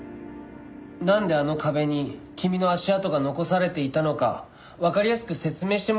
なんであの壁に君の足跡が残されていたのかわかりやすく説明してもらえるかな？